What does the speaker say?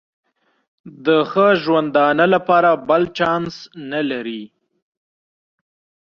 د ښه ژوندانه لپاره بل چانس نه لري.